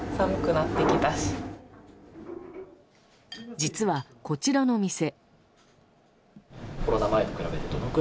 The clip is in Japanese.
実は、こちらの店。